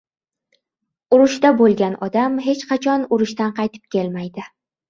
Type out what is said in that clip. Urushda bo‘lgan odam hech qachon urushdan qaytib kelmaydi